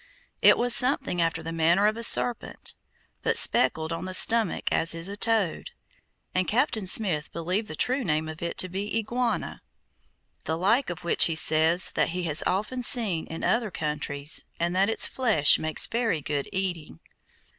It was something after the manner of a serpent, but speckled on the stomach as is a toad, and Captain Smith believed the true name of it to be Iguana, the like of which he says that he has often seen in other countries and that its flesh makes very good eating.